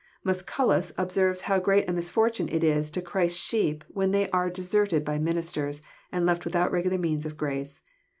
Musculus observes how great a misfortune it is to Christ's sheep when they are deserted by ministers, and left without regular means of grace..